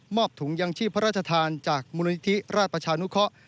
ถุงยังชีพพระราชทานจากมูลนิธิราชประชานุเคราะห์